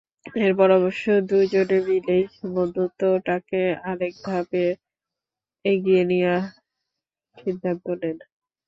এরপর অবশ্য দুজনে মিলেই বন্ধুত্বটাকে আরেক ধাপ এগিয়ে নেওয়ার সিদ্ধান্ত নেন।